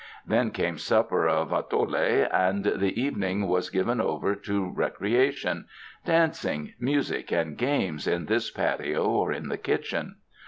Then came supper of atole and the evening was given over to recreation — dancing, music and games in this patio or in the kitchen.